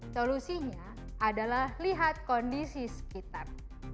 solusinya adalah lihat kondisi sekitar